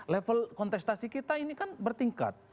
level kontestasi kita ini kan bertingkat